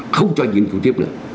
không cho nghiên cứu tiếp nữa